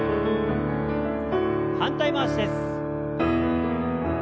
反対回しです。